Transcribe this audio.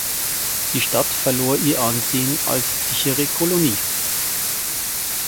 Die Stadt verlor ihr Ansehen als sichere Kolonie.